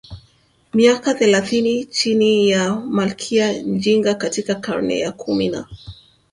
miaka thelathini chini ya malkia Njinga katika karne ya ya kumi na